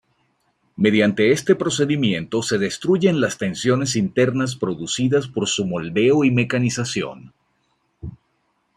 Mediante este procedimiento se destruyen las tensiones internas producidas por su moldeo y mecanización.